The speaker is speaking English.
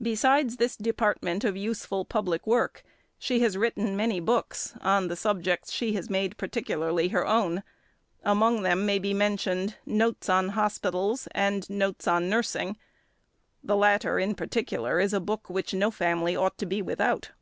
Besides this department of useful public work, she has written many books on the subjects she has made particularly her own; among them may be mentioned Notes on Hospitals and Notes on Nursing; the latter in particular is a book which no family ought to be without.